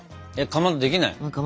かまどできない？